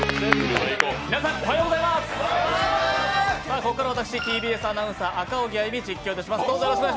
ここからは私、ＴＢＳアナウンサー・赤荻歩実況いたします。